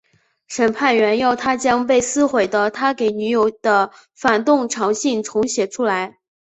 审判员要他将被撕毁的他给女友的反动长信重写出来。